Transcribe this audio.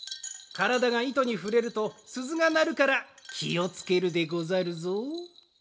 からだがいとにふれるとすずがなるからきをつけるでござるぞ。